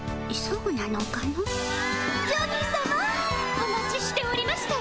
お待ちしておりましたわ！